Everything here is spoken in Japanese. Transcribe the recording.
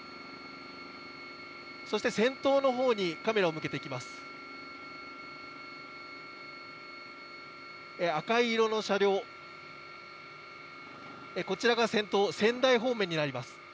そして、先頭のほうにカメラを向けていきます。